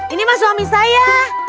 ini mas suami saya